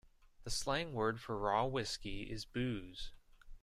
The slang word for raw whiskey is booze.